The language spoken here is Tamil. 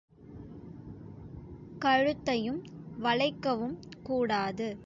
கழுத்தையும் வளைக்கவும் கூடாது.